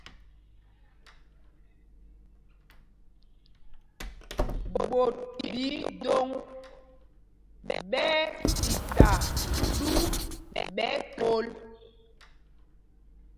Ɓot ɓɛ idôŋ ɓɛ́ ɛ́ tita ɗu ɓɛ kol.